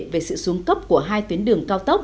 về sự xuống cấp của hai tuyến đường cao tốc